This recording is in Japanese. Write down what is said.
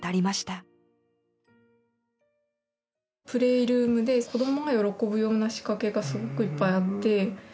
プレイルームで子どもが喜ぶような仕掛けがすごくいっぱいあって。